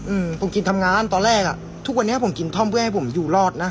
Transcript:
อืมผมกินทำงานตอนแรกอ่ะทุกวันนี้ผมกินท่อมเพื่อให้ผมอยู่รอดนะ